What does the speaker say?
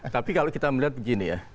tapi kalau kita melihat begini ya